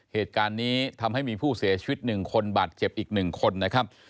เหตุการณ์นี้ทำให้มีผู้เสียชีวิต๑คนบาดเจ็บอีก๑คนนะครับ